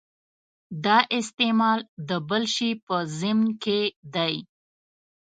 دا استعمال د بل شي په ضمن کې دی.